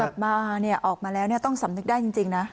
กลับมาเนี่ยออกมาแล้วเนี่ยต้องสำนึกได้จริงนะ